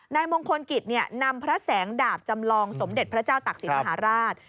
นายมงคลกิจนำพระแสงดาบจำลองสมเด็จพระเจ้าตักศิลป์มหาราช